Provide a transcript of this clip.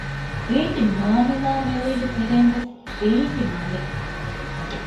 ރީތި މާމެލާމެލީގެ ތެރެއިން ވެސް ރީތި މަލެއް